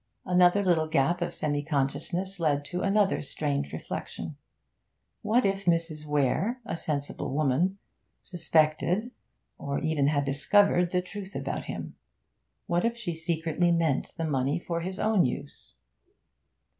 Another little gap of semi consciousness led to another strange reflection. What if Mrs. Weare (a sensible woman) suspected, or even had discovered, the truth about him. What if she secretly meant the money for his own use?